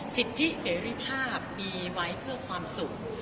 สิทธิเสรีภาพมีไว้เพื่อความสุข